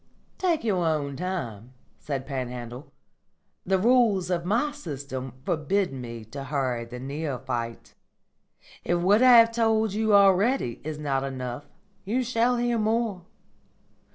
"Take your own time," said Panhandle. "The rules of my system forbid me to hurry the neophyte. If what I have told you already is not enough, you shall hear more.